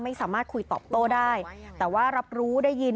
ไม่สามารถคุยตอบโต้ได้แต่ว่ารับรู้ได้ยิน